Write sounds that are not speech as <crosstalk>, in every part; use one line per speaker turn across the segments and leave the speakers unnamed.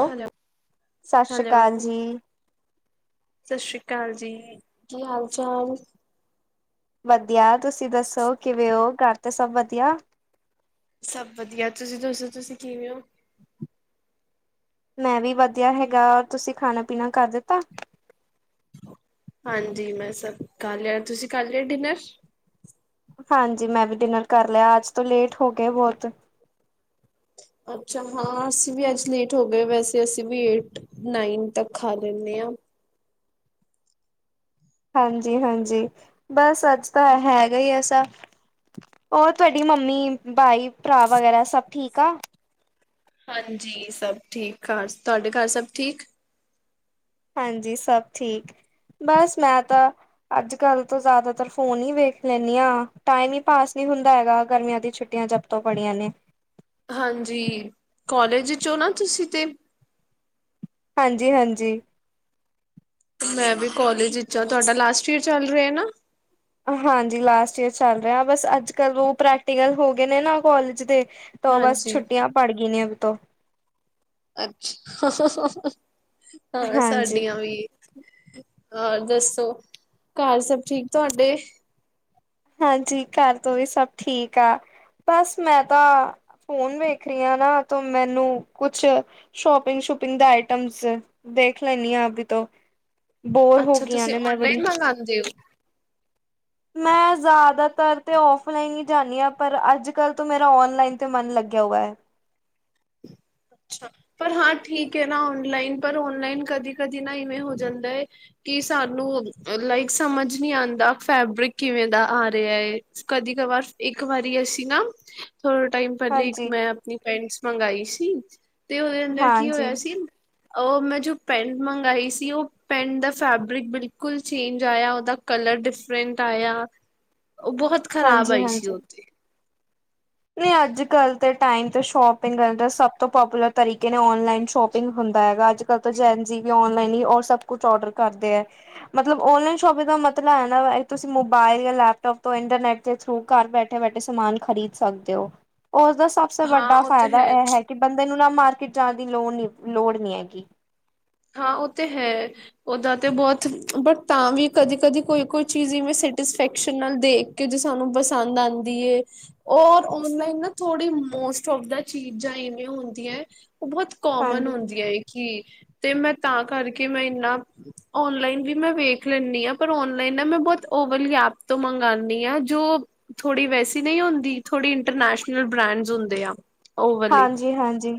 Hello,
ਸਤਿ ਸ਼੍ਰੀ
hello.
ਅਕਾਲ ਜੀ।
ਸਸ਼ ਸ਼੍ਰੀ ਕਾਲ ਜੀ, ਕੀ ਹਾਲ ਚਾਲ।
ਵਧੀਆ ਤੁਸੀਂ ਦੱਸੋਂ ਕਿਵੇਂ ਓ, ਘਰ ਤੇ ਸਬ ਵਧੀਆ।
ਸਭ ਵਧੀਆ ਤੁਸੀਂ ਦੱਸੋਂ, ਤੁਸੀਂ ਕਿਵੇਂ ਓ।
ਮੈਂ ਵੀ ਵਧੀਆਂ ਹੈਗਾ, ਤੁਸੀਂ ਖਾਣਾਂ-ਪੀਨਾ ਕਰ ਦਿੱਤਾਂ।
ਹਾਂਜੀ ਮੈਂ ਸਭ ਕਰ ਲੇਐ, ਤੁਸੀਂ ਕਰ ਲੇਐ ਡਿਨਰ।
ਹਾਂਜੀ ਮੈਂ ਵੀ ਡਿਨਰ ਕਰ ਲੇਆ, ਅੱਜ਼ ਤੋਂ ਲੇਟ ਹੋ ਗਏ ਬਹੁਤ।
ਅੱਛਾ ਹਾਂ ਅਸੀਂ ਵੀ ਅੱਜ਼ ਲੇਟ ਹੋ ਗਏ, ਵੈਸੇ ਅਸੀਂ ਵੀ ਏਟ-ਨਾਈਨ ਤੱਕ ਖਾਂ ਲੈਂਣੇ ਆਂ।
ਹਾਂਜੀ-ਹਾਂਜੀ, ਬਸ ਅੱਜ਼ ਤਾਂ ਹੈਗਾ ਈ ਐਸ਼ਾਂ। ਓਰ ਤੁਆਡੀ ਮੰਮੀ, ਬਾਈ ਭਰਾ ਵਗ਼ੈਰਾ ਸਭ ਠੀਕ ਆਂ।
ਹਾਂਜੀ ਸਭ ਠੀਕ ਘਰ, ਤੁਹਾਡੇ ਘਰ ਸਭ ਠੀਕ।
ਹਾਂਜੀ ਸਬ ਠੀਕ, ਬਸ ਮੈਂ ਤਾਂ। ਅੱਜ-ਕੱਲ ਤੋਂ ਜ਼ਿਆਦਾਤਰ ਫ਼ੋਨ ਈ ਵੇਖ ਲੈਂਣੀ ਆਂ, ਟਾਇਮ ਈ ਪਾਸ਼ ਨੀਂ ਹੁੰਦਾਂ ਹੈਗਾ਼ ਗਰਮੀਆਂ ਦੀਆਂ ਛੁੱਟੀਆਂ ਜਬ ਤੋਂ ਪੜੀਆਂ ਨੇਂ।
ਹਾਂਜੀ, ਕਾਲੇਜ਼ ਇਚ ਓ ਨਾ ਤੁਸੀਂ ਤੇ।
ਹਾਂਜੀ-ਹਾਂਜੀ।
ਮੈਂ ਵੀ ਕਾਲੇਜ਼ ਇਚ ਆਂ, ਤੁਆਡਾ ਲਾਸਟ ਈਅਰ ਚੱਲ ਰੇਐ ਨਾ।
ਹਾਂਜੀ ਲਾਸਟ ਈਅਰ ਚੱਲ ਰੇਐ, ਬਸ ਅੱਜ਼-ਕੱਲ ਓਹ ਪ੍ਰੈਕਟੀਕਲ ਹੋ ਗੇ ਨੇਂ ਨਾ ਕੋਲੇਜ਼ ਦੇ। ਤੋਂ ਬਸ
ਹਾਂਜੀ
ਛੁੱਟੀਆਂ ਪੜ ਗੀ ਨੇਂ ਅੱਬ ਤੋਂ।
ਅੱਛਾ, ਹਾਂ
ਹਾਂਜੀ
ਸਾਡੀਆਂ ਵੀ। ਹੋਰ ਦੱਸੋ ਘਰ ਸਬ ਠੀਕ ਤੁਹਾਡੇ।
ਹਾਂਜੀ ਘਰ ਤੋਂ ਵੀ ਸਬ ਠੀਕ ਆ, ਬਸ ਮੈਂ ਤਾਂ ਫੋਨ ਵੇਖਨੀਆਂ ਨਾ ਤਾ ਮੈਨੂੰ ਕੁਛ ਸ਼ੋਪਿੰਗ ਸ਼ੂਪਿੰਗ ਦੇ ਆਈਟਮਸ ਦੇਖ ਲੈਂਣੀ ਆਂ ਅਵੀ ਤੋਂ। ਬੋਰ ਹੋ ਗਈਆਂ ਨੇ ਮੈਂ ਬੜੀ
ਹਦੇ ਓਹ
ਮੈਂ ਜ਼ਿਆਦਾਤਰ ਤੇ ਔਫਲਾਈਨ ਈ ਜਾਂਣੀ ਆਂ, ਪਰ ਅੱਜ-ਕੱਲ ਤੋਂ ਮੇਰਾ ਔਨਲਾਈਨ ਤੇ ਮਨ ਲੱਗਿਆ ਹੁਆ ਐ।
ਅੱਛਾ ਪਰ ਹਾਂ ਠੀਕ ਐ ਨਾ ਔਨਲਾਈਨ ਪਰ ਔਨਲਾਈਨ ਕਦੀ-ਕਦੀ ਨਾ ਇਵੇਂ ਹੋ ਜਾਂਦਾ ਏ ਕਿ ਸਾਨੂੰ ਲਾਈਕ ਸਮਝ ਨੀ ਆਂਦਾ ਫੈਬਰਿਕ ਕਿਵੇਂ ਦਾ ਆ ਰੇਆ ਏ। ਕਦੀ ਕ ਵਾਰ ਇੱਕ ਵਾਰੀ ਅਸੀ ਨਾ, ਥੋੜਾ ਟਾਈਮ ਪੈਹਲੇ ਇੱਕ
ਹਾਂਜੀ
ਮੈਂ ਆਪਨੀ ਪੈਂਟਸ ਮੰਗਾਈ ਸੀ, ਤੇ ਓਦੇ ਅੰਦਰ ਕੀ
ਹਾਂਜੀ
ਹੋਇਆ ਸੀ ਓਹ ਮੈਂ ਜੋ ਪੈਂਟ ਮੰਗਈ ਸੀ ਓਹ ਪੈਂਟ ਦਾ ਫੈਬਰਿਕ ਬਿਲਕੁਲ ਚੇਂਜ ਆਇਆ ਓਦਾ ਕਲਰ ਡਿਫਰੈਂਟ ਆਏਆ ਓਹ ਬਹੁਤ ਖ਼ਰਾਬ
ਹਾਂਜੀ
ਆਈ ਸੀ ਓਹ ਤੇ
ਨੀ ਅੱਜ-ਕੱਲ ਤੇ ਟਾਈਮ ਤੇ ਸ਼ੋਪਿੰਗ ਸਭ ਤੋਂ ਪਾਪੂਲਰ ਤਰੀਕੇ ਨੇ, ਔਨਲਾਈਨ ਸ਼ੋਪਿੰਗ ਹੁੰਦਾ ਹੈਗਾ ਅੱਜ ਕੱਲ ਤੋਂ ਜੈਨ ਜੀ ਵੀ ਔਨਲਾਈਨ ਹੀ ਓ ਸਭ ਕੁੱਛ ਔਡਰ ਕਰਦੇ ਐ। ਮਤਲਬ ਔਨਲਾਈਨ ਸ਼ੋਪਿੰਗ ਦਾ ਮਤਲਬ ਐ ਨਾ, ਤੁਸੀਂ ਮੋਬਾਇਲ ਜਾਂ ਲੈਪਟੋਪ ਤੋਂ ਇੰਟਰਨੈਟ ਦੇ ਥਰੂ ਘਰ ਬੈਠੇਂ -ਬੈਠੇਂ ਸਮਾਨ ਖਰੀਦ ਸਕਦੇ ੲੌ, ਉਸਦਾ ਸਭ ਸੇ
ਹਾਂ
ਵੱਡਾ
ਉਹ ਤੇ
ਫ਼ਾਇਦਾ ਇਹ ਹੈ ਕਿ ਬੰਦੇ ਨੂੰ ਨਾ ਮਾਰਕੀਟ ਜਾਣ ਦੀ ਲੋੜ ਨੀ, ਲੋੜ ਨੀ ਹੈਗੀ।
ਹਾਂ ਓ ਤੇ ਹੈ। ਉਹਦਾ ਤੇ ਬਹੁਤ ਬਟ ਤਾਂ ਵੀ ਕਦੀ-ਕਦੀ ਕੋਈ- ਕੋਈ ਚੀਜ਼ ਮੈਂ ਸੈਟਿਸਫੈਕਸ਼ਨ ਨਾਲ਼ ਦੇਖ਼ ਕੇ ਜੋ ਸਾਂਨੂੰ ਪਸੰਦ ਆਂਦੀ ਏ। ਔਰ ਔਨਲਾਈਨ ਨਾ ਥੋੜੀ ਮੋਸਟ ਔਫ ਦਾ ਚੀਜ਼ਾਂ ਏਵੇ ਹੁੰਦੀਆਂ ਆ, ਉਹ ਬਹੁਤ ਕੋਮਨ
ਹਾਂਜੀ
ਹੁੰਦੀਆਂ ਐ ਕਿ, ਤੇ ਮੈਂ ਤਾਂ ਕਰਕੇ ਮੈਂ ਏਨਾਂ ਔਨਲਾਈਨ ਵੀ ਮੈਂ ਵੇਖ ਲੇਨੀ ਆ, ਪਰ ਔਨਲਾਈਨ ਨਾ ਮੈਂ ਬਹੁਤ ਓ ਵਾਲ਼ੀ ਐਪ ਤੋਂ ਮੰਗਾਨੀ ਆ ਜ਼ੋ ਥੋੜ੍ਹੀ ਵੈਸੀ ਨਹੀਂ ਹੁੰਦੀਂ, ਥੋੜੀ ਇੰਟਰਨੈਸ਼ਨਲ ਬ੍ਰੈਡਸ ਹੁੰਦੇ ਆ। ਉਹ ਵਾਲੇ
ਹਾਂਜੀ -ਹਾਂਜੀ,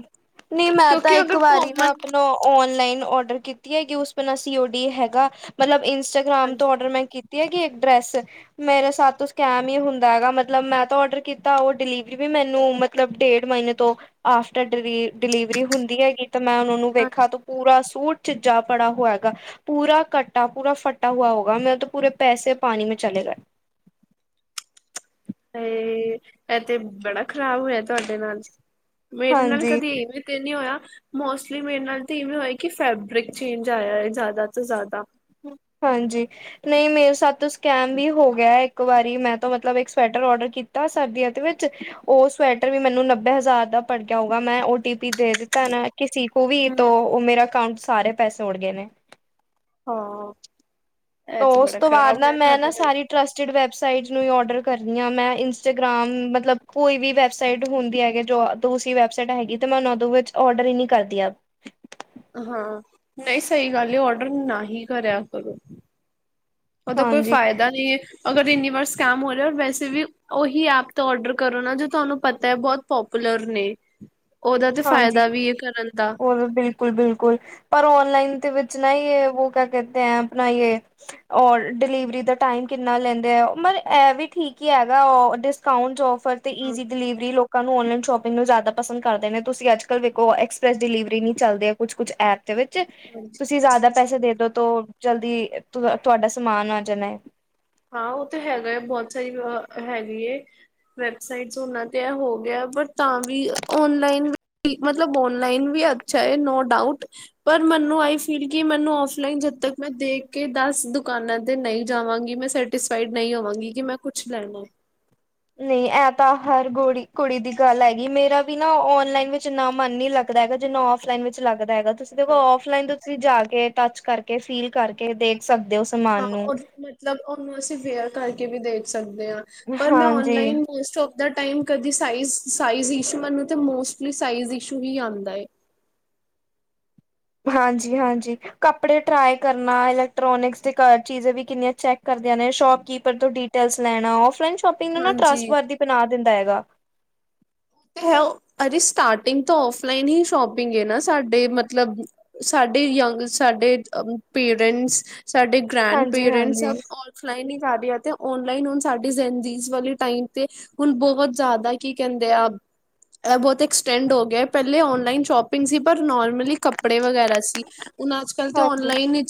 ਨਹੀਂ ਮੈਂ ਤਾਂ
ਕਿਉਂਕਿ
ਇੱਕ
ਅਗਰ
ਵਾਰੀ ਨਾ
ਕੋਮਨ
ਆਪ ਔਨਲਾਈਨ ਔਡਰ ਕੀਤੀ ਐ ਕਿ ਉਸ ਬਿਨ ਸੀਓ ਡੀ ਹੈਗਾ, ਮਤਲਬ ਇੰਸਟ -ਗ੍ਰਾਮ ਤੋਂ
ਹਾਂਜੀ
ਓਡਰ ਮੈਂ ਕੀਤੀ ਹੈਗੀ ਇੱਕ ਡਰੈੱਸ ਮੇਰੇ ਸਾਥ ਤੋਂ ਸਕੈਮ ਹੀ ਹੁੰਦਾ ਹੈਗਾ, ਮਤਲਬ ਮੈਂ ਤਾਂ ਓਡਰ ਕੀਤਾਂ ਉਹ ਡਿਲੀਵਰੀ ਵੀ ਮੈਂਨੂੰ ਮਤਲਬ ਡੇਢ ਮਹੀਨੇਂ ਤੋਂ ਆਫਟਰ ਡਿਲੀ ਡਿਲੀਵਰੀ ਹੁੰਦੀਂ ਹੈਗੀ ਤੇ ਮੈਂ ਉਹਨਾਂ ਨੂੰ ਵੇਖਾਂ
ਹਾਂਜੀ
ਤੋ ਪੂਰਾਂ ਸ਼ੂਟ ਝਿੱਜਾ ਪੜਾ ਹੋਆ ਹੈਗਾ। ਪੂਰਾ ਕੱਟਾ ਪੂਰਾ ਫੱਟਾ ਹੂਆ ਹੋਗਾ, ਮੇਰੇ ਤੋਂ ਪੂਰੇ ਪੈਸੇ ਪਾਨੀ ਮੇਂ ਚਲੇ ਗਏ।
ਤੇ ਇਹ ਤੇ ਬੜਾ ਖ਼ਰਾਬ ਹੋਇਆ ਤੁਹਾਡੇ ਨਾਲ਼, ਮੇਰੇ ਨਾਲ਼
ਹਾਂਜੀ।
ਕਦੀਂ ਇਵੇ ਤੇ ਨੀ ਹੋਇਆਂ ਮੋਸਟਲੀ ਮੇਰੇ ਨਾਲ ਤੇ ਇਵੇਂ ਹੋਇਆਂ ਕਿ ਫੈਬਰਿਕ ਚੇਂਜ ਆਇਆਂ ਏ ਜ਼ਿਆਦਾ ਤੋਂ ਜ਼ਿਆਦਾ
ਹਾਂਜੀ। ਨਹੀਂ ਮੇਰੇ ਸਾਥ ਤੋਂ ਸਕੈਮ ਵੀ ਹੋ ਗਿਆ ਐ ਇੱਕ ਵਾਰੀਂ, ਮੈਂ ਤੋਂ ਮਤਲਬ ਇੱਕ ਸਵੈਟਰ ਓਡਰ ਕੀਤਾਂ ਸਰਦੀਆਂ ਦੇ ਵਿਚ ਉਹ ਸਵੈਟਰ ਵੀ ਮੈਂਨੂੰ ਨੱਬੇ ਹਜ਼ਾਰ ਦਾ ਪੜ ਗਿਆ ਹੋਊਗਾ, ਮੈਂ ਓ ਟੀ ਪੀ ਦੇ ਦਿੱਤਾਂ ਨਾ ਕਿਸੀ ਕੋ ਵੀ ਤੋਂ
ਹੂੰ
ਉਹ ਮੇਰਾ ਅਕਾਊਂਟ ਸਾਰੇ ਪੈਸੇ ਉੱਡ ਗਏ ਨੇ
ਹਾਂ। ਇਹ
ਤੋਂ
ਤੇ
ਉਸ
ਬੜਾ
ਤੋਂ ਬਾਅਦ
ਖ਼ਰਾਬ
ਨਾ
ਹੋਇਆ
ਮੈਂ ਨਾ
ਤੁਹਾਡੇ
ਸਾਰੀ
ਨਾਲ
ਟਰੱਸਟਿਡ ਵੈੱਬਸਾਈਟ ਨੂੰ ਹੀ ਔਡਰ ਕਰਨੀ ਆ ਮੈਂ, ਇੰਸਟਾਗ੍ਰਾਮ ਮਤਲਬ ਕੋਈ ਵੀ ਵੈਬ ਸਾਈਟ ਹੁੰਦੀ ਹੈਗੈ ਜੋ ਉਸੀ ਵੈਬਸਾਈਟਾ ਹੈਗੀ ਤੇ ਮੈਂ ਉਹਨੂੰ ਉਦੇ ਵਿੱਚ ਔਡਰ ਹੀ ਨੀ ਕਰਦੀ।
ਹਾਂ, ਨਹੀਂ ਸਹੀ ਗੱਲ ਐ ਓਡਰ ਨਾ ਹੀ ਕਰਿਆ ਕਰੋਂ। ਉਹਦਾ ਕੋਈ
ਹਾਂਜੀ
ਫਾਇਦਾ ਨੀ ਏ ਅਗਰ ਏਨੀਂ ਵਾਰ ਸਕੈਮ ਹੋ ਰਿਹਾ, ਵੈਸੇ ਵੀ ਉਹੀ ਐਪ ਤੋਂ ਓਡਰ ਕਰੋ ਨਾ ਜੋ ਤੁਹਾਨੂੰ ਪਤਾ ਐ ਬਹੁਤ ਪੋਪੂਲਰ ਨੇ, ਉਹਦਾ ਤੇ ਫਾਇਦਾ ਵੀ ਐ ਕਰਨ ਦਾ
ਹੋਰ ਫ਼ੇਰ। ਬਿਲਕੁਲ- ਬਿਲਕੁਲ ਪਰ ਔਨਲਾਈਨ ਦੇ ਵਿੱਚ ਨਾ ਯੇ ਵੋ ਕਿਆ ਕਹਤੇ ਐ ਆਪਣਾ ਯੇ ਔਰ ਡਿਲੀਵਰੀ ਦਾ ਟਾਇਮ ਕਿੰਨਾ ਲੈਂਦੇ ਆ, ਮਤਲਬ ਐਹ ਵੀ ਠੀਕ ਹੀ ਹੈਗਾ ਓ ਡਿਸਕਾਊਂਟਜ ਔਫਰ ਤੇ
ਹੂੰ
ਈਜ਼ੀ ਡਿਲੀਵਰੀ ਲੋਕਾਂ ਨੂੰ ਔਨਲਾਈਨ ਸ਼ੋਪਿੰਗ ਨੂੰ ਜ਼ਿਆਦਾ ਪਸੰਦ ਕਰਦੇ ਨੇਂ। ਤੁਸੀਂ ਅੱਜ ਕੱਲ ਵੇਖੋਂ ਐਕਸਪ੍ਰੈਸ ਡਿਲੀਵਰੀ ਨੀ ਚੱਲਦੇ ਆ ਕੁੱਛ- ਕੁੱਛ ਐਪ ਦੇ ਵਿੱਚ
ਹਾਂਜੀ।
ਤੁਸੀਂ ਜ਼ਿਆਦਾ ਪੈਸੇ ਦੇ ਦੋ ਤੋਂ ਜਲਦੀ ਤੁਹਾਡਾ ਸਮਾਂਨ ਆ ਜਾਣਾ ਏ।
ਹਾਂ ਉਹ ਤਾਂ ਹੈਗਾ ਏ, ਬਹੁਤ ਸਾਰੀ ਹੈਗੀ ਏ। ਵੈਬਸਾਈਟ ਉਹਨਾਂ ਤੇ ਐਹ ਹੋ ਗਿਆ, ਪਰ ਤਾਂ ਵੀ ਔਨਲਾਈਨ ਵੀ ਮਤਲਬ ਔਨਲਾਈਨ ਵੀ ਅੱਛਾ ਏ ਨੋ ਡਾਊਟ ਪਰ ਮੈਂਨੂੰ ਅਈ ਫੀਲ ਕਿ ਮੈਂਨੂੰ ਔਫਲਾਈਨ ਜਦ ਤੱਕ ਮੈਂ ਦੇਖ ਕੇ ਦਸ ਦੁਕਾਨਾਂ ਤੇ ਨਹੀਂ ਜਾਵਾਂਗੀ ਮੈਂ ਸੈਟਿਸਫਾਈਡ ਨਹੀਂ ਹੋਵਾਂਗੀ ਕਿ ਮੈਂ ਕੁਛ ਲੈਣਾਂ ਵਾ
ਨਹੀਂ ਐਹ ਤਾਂ ਹਰ ਗੋੜ ਕੁੜੀ ਦੀ ਗੱਲ ਹੈਗੀ, ਮੇਰਾ ਵੀ ਨਾ ਔਨਲਾਈਨ ਵਿੱਚ ਏਨਾਂ ਮਨ ਨੀਂ ਲੱਗਦਾ ਹੈਗਾ ਜਿੰਨਾ ਔਫਲਾਈਨ ਵਿੱਚ ਲੱਗਦਾ ਹੈਗਾ। ਤੁਸੀਂ ਦੇਖੋ ਔਫਲਾਈਨ ਤੋਂ ਤੁਸੀਂ ਜਾ ਕੇ ਟੱਚ ਕਰਕੇ, ਫੀਲ ਕਰਕੇ ਦੇਖ ਸਕਦੇ ਹੋ। ਸਮਾਨ
ਹਾਂ,
ਨੂੰ
ਉਹ ਮਤਲਬ ਉਹਨੂੰ ਅਸੀਂ ਵੇਅਰ ਕਰਕੇ ਵੀ ਦੇਖ ਸਕਦੇ ਆ। ਪਰ ਮੈਂ
ਹਾਂਜੀ
ਔਨਲਾਈਨ ਮੋਸਟ। ਦਾ ਟਮ ਕਦੀ ਸਾਇਜ, ਸਾਈਜ਼ ਇਸ਼ੂ ਮਨ ਤੇ ਮੋਸਟਲੀ ਸਾਈਜ਼ ਇਸ਼ੂ ਹੀ ਆਂਦਾ ਐ।
ਹਾਂਜੀ, ਹਾਂਜੀ। ਕੱਪੜੇ ਟ੍ਰਈ ਕਰਨਾ, ਇਲੈਕਟ੍ਰੋਨਿਕਸ ਦੇ ਚੀਜ਼ਾਂ ਵੀ ਕਿੰਨੀਆਂ ਚੈੱਕ ਕਰਦੀਆਂ ਨੇ ਸ਼ੋਪਕੀਪਰ ਤੋਂ ਡ। ਲੈਣਾ, ਔਫਲਾਈਨ ਸ਼ੋਪਿੰਗ ਨੂੰ ਨਾ
ਹਾਂਜੀ
ਟਰੱਸਟ ਵਰ ਦੀ ਬਣਾ ਦਿੰਦਾ ਹੈਗਾ।
ਤੇ ਹੈ ਅਜੇ ਸਟਾਰਟਿੰਗ ਤਾਂ ਔਫਲਾਈਨ ਹੀ ਸ਼ੋਪਿੰਗ ਹ ਨਾ ਸਾਡੇ ਮਤਲਬ। ਸਾਡੇ ਯੰਗ, ਸਾਡੇ ਪੇਰੈਂਟਸ, ਸਾਡੇ ਗ੍ਰੈਂਡ
ਹਾਂਜੀ
ਪੇਰੈਂਟਸ
ਹਾਂਜੀ
ਸ। ਫਲਾਈਨ ਹੀ ਕਰ ਰਿਹਾ ਤੇ ਔਨਲਾਈਨ ਹੁਣ ਸਾਡੀਦੀਜ਼ ਵਾਲੀ ਟਾਈਮ ਤੇ। ਹੁਣ ਬਹੁਤ ਜ਼ਾਂਦਾ ਕੀ ਕਹਿੰਦੇ ਆ। ਇਹ ਬਹੁਤ ਐਕਸਟੈਂਡ ਹੋ ਗਿਆ, ਪਹਿਲੇ ਔਨਲਾਈਨ ਸ਼ੋਪਿੰਗ ਸੀ ਪਰ ਨੋਰਮਲੀ। ਕੱਪੜੇ ਵਗੈਰਾ ਸੀ। ਹੁਣ ਅੱਜ -ਕੱਲ੍ਹ ਤਾਂ
ਹਾਂਜੀ
ਔਨਲਾਈਨ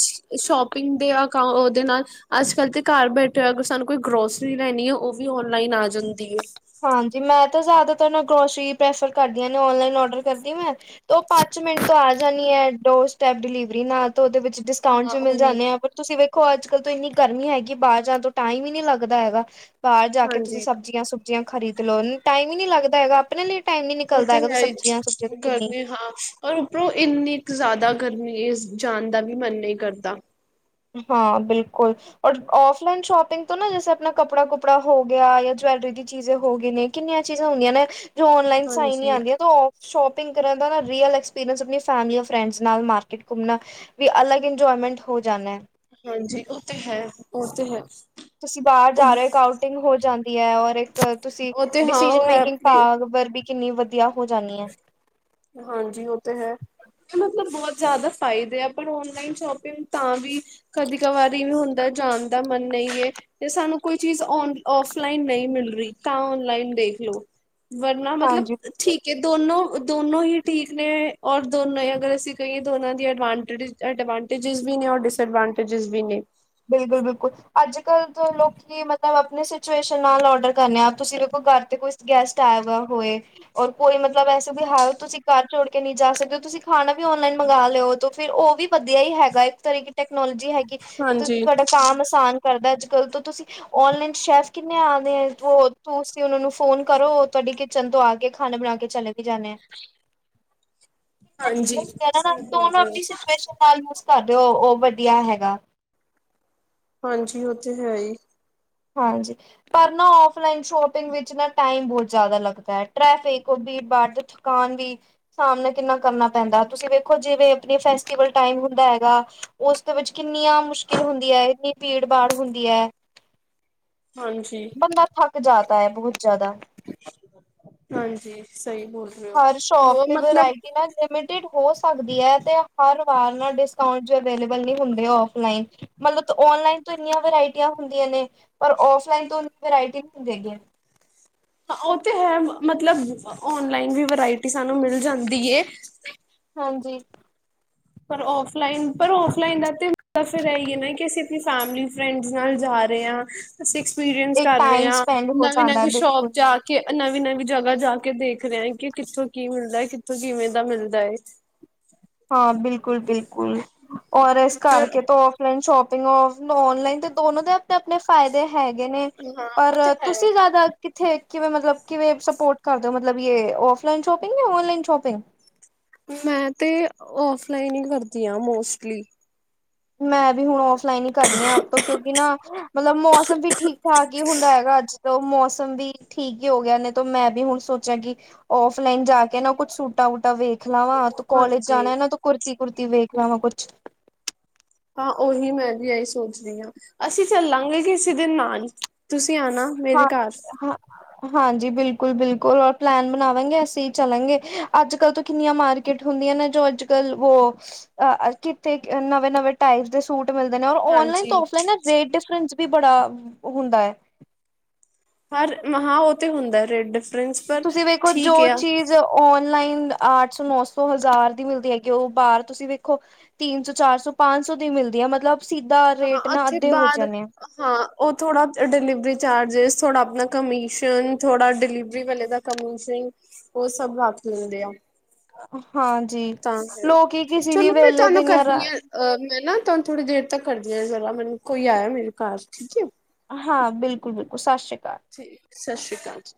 ਸ਼ੋਪਿੰਗ ਦੇ ਅਕਾ ਉਹਦੇ ਨਾਲ। ਅੱਜ- ਕੱਲ੍ਹ ਤੇ ਘਰ ਬੈਠੇ ਹੋ ਅਰ ਸਾਨੂੰ ਕੋਈ ਗਰੋਸਰੀ ਲੈਣੀ ਆ, ਉਹ ਵੀ ਔਨਲਾਈਨ ਆ ਜਾਂਦੀ ਐ।
ਹਾਂਜੀ, ਮੈਂ ਤਾਂ ਜ਼ਿਆਦਾਤਰ ਨਾ ਗਰੋਸਰੀ ਪ੍ਰੈਫਰ ਕਰਦੀਆਂ ਨੇ ਔਨਲਾਈਨ ਔਡਰ ਕਰਦੀ ਅ ਮੈਂ। ਉਹ ਪੰਜ ਮਿੰਟ ਤੋਂ ਆ ਜਾਣੀ ਐ, ਡੋਰ ਸਟੈਪ ਡਿਲੀਵਰੀ ਨਾਲ ਤਾਂ ਉਹਦੇ ਵਿੱਚ ਡਿਸਕਾਊਂਟ
ਹਾਂ
ਵੀ ਮਿਲ
ਉਹੀ
ਜਾਂਦੇ ਆ ਪਰ। ਤੁਸੀਂ ਵੇਖੋ ਅੱਜ- ਕੱਲ੍ਹ ਤੋਂ ਇੰਨੀ ਗਰਮੀ ਹੈਗੀ, ਬਾਹਰ ਜਾਣ ਤੋਂ ਟਾਈਮ ਹੀ ਨਹੀਂ ਲੱਗਦਾ ਹੈਗਾ। ਬਾਹਰ ਜਾ ਕੇ ਤੁਸੀਂ
ਹਾਂਜੀ
ਸਬਜ਼ੀਆਂ- ਸੁਬਜ਼ੀਆਂ ਖਰੀਦ ਲੋ ਟਾਈਮ ਈ ਨੀ ਲੱਗਦਾ ਹੈਗਾ। ਆਪਣੇ ਲੇਟ।
ਉਹ ਤੇ ਹੈਈ ਘਰ ਨੇ ਹਾਂ। ਔਰ ਉੱਪਰੋਂ ਇੰਨੀ ਕੁ ਜ਼ਿਆਦਾ ਗਰਮੀ ਜਾਣ ਦਾ ਵੀ ਮਨ ਨਹੀਂ ਕਰਦਾ।
ਹਾਂ ਬਿਲਕੁਲ। ਔਰ ਔਫਲਾਈਨ ਸ਼ੋਪਿੰਗ ਤੋਂ ਨਾ ਜੈਸੇ ਆਪਣਾ ਕੱਪੜਾ- ਕੁਪੜਾ ਹੋ ਗਿਆ ਜਾਂ ਜਵੈਲਰੀ ਦੀ ਚੀਜ਼ੇ ਹੋ ਗਈ ਨੇ। ਕਿੰਨੀਆਂ ਚੀਜ਼ਾਂ ਹੁੰਦੀਆਂ ਨੇ ਜੋ ਔਨਲਾਈਨ ਸਈ ਨੀ।
ਹਾਂਜੀ,
ਆਉਂਦੀਆਂ ਤੋ ਸ਼ੋਪਿੰਗ ਕਰਨ ਦਾ ਰੀਅਲ ਐਕਸਪੀਰੀਅੰਸ ਆਪਣੀ ਫੈਮਲੀ ਅ ਫਰੈਂਡਸ ਨਾਲ ਮਾਰਕੀਟ ਘੁੰਮਣਾ। ਵੀ ਅਲੱਗ ਇੰਜੋਏਮੈਂਟ ਹੋ ਜਾਂਨਾ।
ਹਾਂਜੀ, ਉਹ ਤੇ ਹੈ, ਉਹ ਤੇ ਹੈ।
ਤੁਸੀਂ ਬਾਹਰ
ਉਹ
ਜਾ ਰਹੇ ਆਊਟਿੰਗ ਹੋ ਜਾਂਦੀ ਐ, ਔਰ ਇੱਕ ਤੁਸੀਂ।
ਉਹ ਤੇ ਹਾਂ ਉਹ
ਡਿਸੀਜ਼ਨ
ਹੈ
ਮੇਕਿੰਗ
ਆਪਣੇ
ਭਾਗ ਵਰ ਵੀ ਕਿੰਨੀ ਵਧੀਆ ਹੋ ਜਾਂਣੀ ਐ।
ਹਾਂਜੀ, ਉਹ ਤੇ ਹੈ। ਇਹ ਮਤਲਬ ਬਹੁਤ ਜ਼ਿਆਦਾ ਫਾਇਦੇ ਆ, ਪਰ ਔਨਲਾਈਨ ਸ਼ੋਪਿੰਗ ਤਾਂ ਵੀ। ਕਦੀ ਕ ਵਾਰੀ ਵੀ ਹੁੰਦਾ ਜਾਣ ਦਾ ਮਨ ਨਈ ਏ। ਤੇ ਸਾਨੂੰ ਕੋਈ ਚੀਜ਼ ਔਨ, ਔਫਲਾਈਨ ਨਈ ਮਿਲ ਰਹੀ ਤਾਂ ਔਨਲਾਈਨ ਦੇਖ ਲਓ। ਵਰਨਾ ਮਤਲਬ
ਹਾਂਜੀ ਬਿਲਕੁਲ
ਠੀਕ ਐ, ਦੋਨੋ। ਦੋਨੋ ਈ ਠੀਕ ਨੇ। ਔਰ ਦੋਨੋ ਅਗਰ ਅਸੀਂ ਕਹੀਏ ਦੋਨਾਂ ਦੀ ਅਡਵਾਂਟਜਡਵ। ਵੀ ਨੇ ਰ ਡਿਸਐਡਵਾਂਟੇਜਿਸ ਵੀ ਨੇ।
ਬਿਲਕੁਲ, ਬਿਲਕੁਲ ਅੱਜ- ਕੱਲ ਤਾਂ ਲੋਕੀ ਮਤਲਬ ਆਪਣੇ। ਸਿਚੁਏਸ਼ਨ ਨਾਲ ਔਡਰ ਕਰਨੇ ਆ ਤੁਸੀਂ ਵੇਖੋ ਘਰ ਤੇ ਕੋਈ ਗੈਸਟ ਆਏਗਾ ਹੋਏ। ਔਰ ਕੋਈ ਮਤਲਬ ਐਸੇ ਵੀ ਹ ਤੁਸੀਂ ਘਰ ਛੋੜ ਕੇ ਨਹੀਂ ਜਾ ਸਕਦੇ। ਤੁਸੀਂ ਖਾਣਾ ਵੀ ਔਨਲਾਈਨ ਮੰਗਵਾ ਲਿਓ, ਫਿਰ ਉਹ ਵੀ। ਵਧੀਆ ਈ ਹੈਗਾ, ਇੱਕ ਤਰ ਕੀ ਟੈਕਨੋਲੋਜੀ ਹੈਗੀ ਤੇ
ਹਾਂਜੀ
ਤੁਹਾਡਾ ਕਮ ਆਸਾਨ ਕਰਦਾ ਅੱਜ -ਕੱਲ ਤੋਂ ਤੁਸੀਂ। ਓਨਲਾਈਨ ਚ ਸ਼ੈਫ ਕਿੰਨੇ ਆਦੇ, ਆ ਤੁਸੀਂ ਉਹਨਾ ਨੂੰ ਫੋਨ ਕਰੋ ਤੁਹਾਡੀ। <unintelligible> ਚਨ ਤੋਂ ਆ ਕੇ ਖਾਣਾ ਬਣਾ ਕੇ ਚਲੇ ਵੀ ਜਾਨੇ ਆ।
<inaudible>
<unintelligible> <unintelligible>
ਹਾਂਜੀ
ਉਸਨੂੰ
ਸਹੀ ਬੋਲ ਰਹੇ
ਆਵਦੀ ਸਿਚੁਏਸ਼ਨ ਕਰ ਦਿਓ ਉਹ ਵਧੀਆ ਹੈਗਾ।
ਹਾਂਜੀ, ਉਹ ਤੇ ਹੈ ਈ।
ਟਾਰ ਜਿਕ ਪਰ ਨਾ ਆਫਲਾਈਨ ਸ਼ੋਪਿੰਗ ਵਿੱਚ ਨਾ ਟਾਈਮ ਬਹੁਤ ਜਿਆਦਾ ਲੱਗਦਾ ਟ੍ਰੈਫਿਕ ਔਰ ਵੀੜ ਭਾੜ ਵਿੱਚ ਕਾਨ ਦੀ ਸਾਹਮਣੇ ਕਿੰਨਾ ਕਰਨਾ ਪੈਂਦਾ ਤੁਸੀਂ ਵੇਖੋ ਜਿਵੇਂ ਆਪਣੇ ਫੈਸਟੀਵਲ ਟਾਈਮ ਹੁੰਦਾ ਹੈਗਾ ਉਸਦੇ ਵਿੱਚ ਕਿੰਨੀਆਂ ਮੁਸ਼ਕਿਲ ਹੁੰਦੀ ਐ ਕਿੰਨੀ ਭੀੜ ਭਾੜ ਹੁੰਦੀ ਐ
ਹਾਂਜੀ
ਬੰਦਾ ਥੱਕ ਜਾਤਾ ਐ ਬਹੁਤ ਜਿਆਦਾ
ਹਾਂਜੀ ਸਹੀ ਬੋਲ ਰਹੇ ਹੋ
ਹਰ ਸ਼ੋਪ
ਉਹ
ਤੇ
ਮਤਲਬ
ਵਰਾਇਟੀ ਨਾ ਲਿਮਿਟਡ ਹੋ ਸਕਦੀ ਐ ਤੇ ਹਰ ਵਾਰ ਨਾ ਡਿਸ ਕਾਉਟ ਜਾ ਵੇਲਬਲ ਨਹੀ ਹੁੰਦੀਆ ਔਫਲਾਈਨ ਮਲ ਤ ਓਨਲਾਈਨ ਤੋਂ ਇੰਨੀਆਂ ਵਰਾਇਟੀਆਂ ਹੁੰਦੀਆਂ ਨੇ ਔਰ ਔਫਲਾਈ ਟਨ ਵਰਾਇਟੀ ਨੀ ਹੁੰਦੇ ਹੈਗੀ
ਪਾ ਉਹ ਤੇ ਹੈ ਮ ਮਤਲਬ ਓਨਲਾਈਨ ਦੀ ਵਰਾਇਟੀ ਸਾਨੂੰ ਮਿਲ ਜਾਂਦੀ ਏ
ਹਾਂਜੀ
ਪਰ ਔਫਲਾਈਨ ਪਰ ਔਫਲਾਈਨ ਦਾ ਤੇ ਮੈਸ ਆਇ ਗੇ ਨੇ ਕਿ ਅਸੀਂ ਆਪਣੀ ਫੈਮਿਲੀ ਫਰੈਂਡਸ ਨਾਲ ਜਾ ਦੇ ਉਹ ਤੁਸੀਂ ਐਕਸਪੀਰੀਅੰਸ
ਇੱਕ
ਕਰ ਰਹੇ ਓ ਨੇਗੀ ਨੇਵੀਂ ਈ ਸ਼ੋਪ ਜਾ ਕ ਕੇ ਨਬੀ ਨਬੀ ਜਗ੍ਹਾ ਜਾ ਕੇ ਦੇਖਦੇ ਆ ਕਿ ਕਿੱਥੋਂ ਕੀ ਮਿਲਦਾ ਏ ਕਿੱਥੋਂ ਕਿਵੇਂ ਦਾ ਮਿਲਦਾ ਏ
ਹਾਂ ਬਿਲਕੁਲ ਬਿਲਕੁਲ ਔਰ ਕਰ
ਫਿਰ
ਕਿਤੋ ਔਫਲਾਈਨ ਸ਼ੋਪਿੰਗ ਓ ਔਨਲਾਈਨ ਤੇ ਦੋਨੋ ਦੇ ਆਪਣੇ ਆਪਣੇ ਫਾਇਦੇ ਹੈਗੇ ਨੇ
ਹਾਂ ਉਹ
ਪਰ
ਤੇ ਹੈ।
ਤੁਸੀਂ ਨਾਗਦ ਕਿੱਥੇ ਏਥੇ ਮਤਲਬ ਕਿ ਏ ਸਪੋਰਟ ਕਰਦੇ ਮਤਲਬ ਯੇਹ ਔਫਲਾਈਨ ਸ਼ੋਪਿੰਗ ਜਾਂ ਓਨਲਾਈਨ ਸ਼ੋਪਿੰਗ
ਮੈਂ ਤੇ ਔਫਲਾਈਨ ਈ ਕਰਦੀ ਆ ਮੋਸਟਲੀ
ਮੈਂ ਵੀ ਹੁਣ ਓਫ ਲਾਈਨ ਕਰਨੀ ਆ ਆਪੇ ਏ ਕਿਉਂਕਿ ਨਾ ਮਲਬ ਮੌਸਮ ਵੀ ਠੀਕ ਠਾਕ ਹੀ ਹੁੰਦੈ ਹੈਗਾ ਅੱਜ ਤੇ ਮੌਸਮ ਵੀ ਠੀਗ ਹੋ ਗਿਆ ਨੇ ਤੋ ਮੈਂ ਵੀ ਹੁਣ ਸੋਚਿਆ ਗੀ ਔਫਲਈਨ ਜਾ ਕੇ ਨਾ ਕੁਛ ਸੂਟਾ ਵੂਟਾ ਵੀ ਫਲਾਵਾਂ ਤੂੰ ਕਾਲਜ
ਹਾਂਜੀ।
ਜਾਣਾ ਏਹ ਨਾ ਤੂੰ ਕਾਲਜ ਜਾਣਾ ਐ ਤੇ ਕੁੁਰਤੀ ਕੁੜਤੀ ਵੇਖ ਲਮਾ ਕੁਛ
ਹਾਂ ਉਹੀ ਮੈਂ ਵੀ ਇਹੀ ਸੋਚਦੀ ਈ ਅਸੀਂ ਚੱਲਾਂਗੇ ਕਿਸੀ ਦਿਨ ਨਾਨ ਤੁਸੀਂ ਆਣਾ
ਹਾਂ
ਮੇਰੇ ਘਰ
ਉ ਹਾਂ ਹਾਂਜੀ ਬਿਲਕੁਲ ਬਿਲਕੁਲ ਔਰ ਪਲੈਨ ਬਣਾਵਾਂਗੇ ਅਸੀਂ ਚੱਲਾਂਗੇ ਅੱਜ ਕੱਲ ਤੇ ਕਿੰਨੀਆਂ ਮਾਰਕੀਟ ਕਿਟ ਹੁੰਦੀਆਂ ਨੇ ਜੋ ਅੱਜ ਕੱਲ ਵੋ ਕਿਥੇ ਨਵੇਂ ਨਵੇਂ ਟਾਈਪ ਦੇ ਸੂਟ ਤੇ ਮਿਲਦੀਆ ਓਨਲਾਈਨ
ਹਾਂਜੀ
ਤੋਫ ਤੇ ਨਾ ਰੇਟ ਡਿਫਰਸ ਵੀ ਬੜਾ ਹੁੰਦਾ ਐ
ਹਰ ਮਹਾ ਉਹ ਤੇ ਹੁੰਦਾ ਰੇਟ ਡਿਫਰੈਂਸ ਪਰ ਠੀਕ ਐ
ਜੇ ਓਨਲਾਈਨ ਆਠ ਸੌ ਨੌ ਸੌ ਹਜ਼ਾਰ ਦੀ ਮਿਲਦੀ ਹੈਗੀ ਐ ਉਹ ਬਾਹਰ ਤੁਸੀਂ ਵੇਖੋ ਤੀਨ ਚ ਸੌ, ਚਾਰ ਸੌ, ਪੰਜ ਸੌ ਦੀ ਮਿਲਦੀ ਐ ਮਤਲਬ ਸੀਦਾ
ਹਾਂ
ਰੇਟ ਨਾ
ਉੱਥੇ
ਅੱਧੇ ਹੋ
ਬਾਹਰ
ਜਾਨੇ ਏ
ਹਾਂ ਉਹ ਥੋੜ੍ਹਾ ਡਿਲਵਰੀ ਚਾਰਜਿਸ ਥੋੜ੍ਹਾ ਆਪਣਾ ਕਮਿਸ਼ਨ ਥੋੜ੍ਹਾ ਡਿਲੀਵਰੀ ਵਾਲੇ ਦਾ ਕਮੀ ਸਿੰਘ ਉਹ ਸ਼ਭ ਰਾਤ ਨੂੰ ਹੁੰਦੇ ਆ
ਹਾਂਜੀ
ਤਾਂ ਫੇਰ
ਲੋਕੀ ਕਿਸੇ ਵੀ
ਚਲੋ ਮੈਂ
ਵੇਲੇ
ਤੁਹਾਨੂੰ
ਦੀਆਂ
ਕਰਦੀ ਐ ਐ ਮੈਂ ਨਾ ਤਾਹਾਨੂੰ ਥੋੜ੍ਹੀ ਦੇਰ ਤੱਕ ਕਰਦੀ ਆ ਜਰਾ ਮੈਨੂੰ ਕੋਈ ਆਇਆ ਮੇਰੇ ਘਾਰ ਠੀਕ ਐ
ਹਾਂ ਬਿਲਕੁਲ ਬਿਲਕੁਲ ਸਸਰੀ ਕਾਲ
ਜੀ ਸਸ਼ਰੀ ਕਾਲ ਜੀ